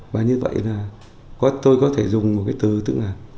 và như vậy là tôi có thể dùng một cái từ tức là